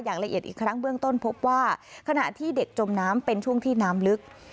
อย่างละเอียดอีกครั้งเบื้องต้นพบว่าขณะที่เด็กจมน้ำเป็นช่วงที่น้ำลึก